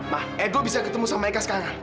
ma edo bisa ketemu sama eka sekarang